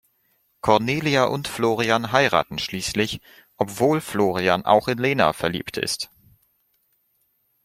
Cornelia und Florian heiraten schließlich, obwohl Florian auch in Lena verliebt ist.